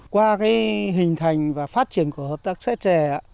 qua cái hình thành và phát triển của hợp tác xã trẻ